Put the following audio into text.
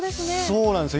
そうなんですよ。